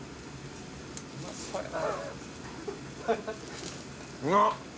うまそうやな